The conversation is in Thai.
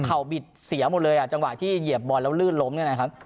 บิดเสียหมดเลยอ่ะจังหวะที่เหยียบบอลแล้วลื่นล้มเนี่ยนะครับ